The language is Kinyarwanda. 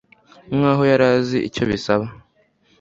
nkaho yari azi icyo bisaba